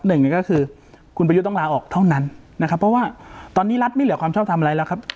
หนึ่งก็คือคุณประยุทธ์ต้องลาออกเท่านั้นนะครับเพราะว่าตอนนี้รัฐไม่เหลือความชอบทำอะไรแล้วครับ